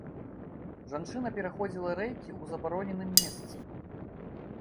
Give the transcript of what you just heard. Жанчына пераходзіла рэйкі ў забароненым месцы.